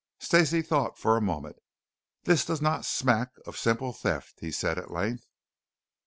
Stacey thought for a moment. "This does not smack of simple theft," he said at length.